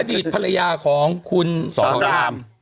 อดีตพลยาคุณสองราม